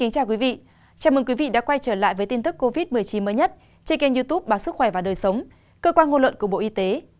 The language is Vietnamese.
chào mừng quý vị đã quay trở lại với tin tức covid một mươi chín mới nhất trên kênh youtube báo sức khỏe và đời sống cơ quan ngôn luận của bộ y tế